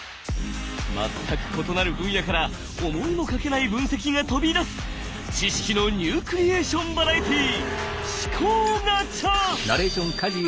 全く異なる分野から思いもかけない分析が飛び出す知識のニュークリエーションバラエティー！